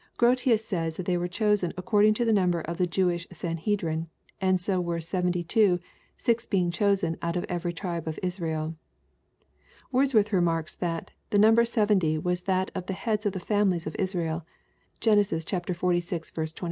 G rotius says, that they were chosen according to the number of the Jewish Sanhedrim, and so were seventy two, six being chosen out of every tribe of Israel Wordsworth remarks, that "the number seventy was that of the heads of the families of Israel (Gten, xlvi. 27.)